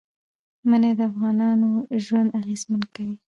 منی د افغانانو ژوند اغېزمن کوي.